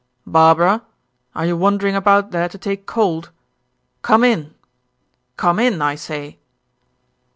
"Barbara, are you wandering about there to take cold? Come in! Come in, I say!"